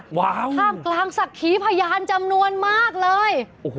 ว้าวท่ามกลางศักดิ์ขีพยานจำนวนมากเลย